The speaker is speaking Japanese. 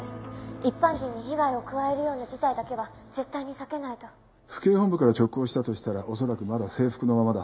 「一般人に危害を加えるような事態だけは絶対に避けないと」府警本部から直行したとしたら恐らくまだ制服のままだ。